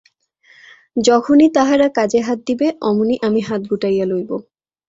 যখনই তাহারা কাজে হাত দিবে, অমনি আমি হাত গুটাইয়া লইব।